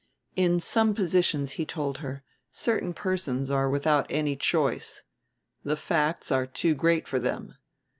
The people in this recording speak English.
"In some positions," he told her, "certain persons are without any choice. The facts are too great for them.